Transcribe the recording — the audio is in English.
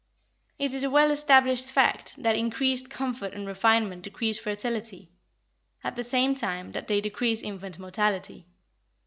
It is a well established fact that increased comfort and refinement decrease fertility, at the same time that they decrease infant mortality.